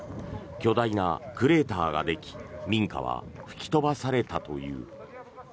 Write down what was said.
巨大なクレーターができ民家は吹き飛ばされたという。